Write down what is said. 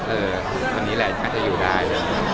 เออตอนนี้แหละอาจจะอยู่ได้